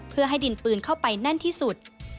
เพื่อให้ดินปืนเข้าไปแน่นที่สุด